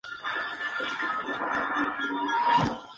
Nació y murió en Viena.